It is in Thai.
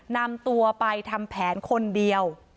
นำตัวไปทำแผนคนเดียว